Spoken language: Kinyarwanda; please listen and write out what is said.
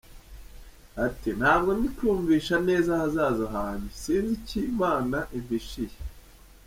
Ati “Ntabwo ndi kwiyumvisha neza ahazaza hanjye, sinzi icyo Imana impishiye.